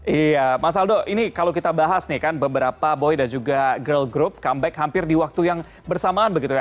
iya mas aldo ini kalau kita bahas nih kan beberapa boy dan juga girl group comeback hampir di waktu yang bersamaan begitu ya